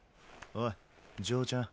おい嬢ちゃん。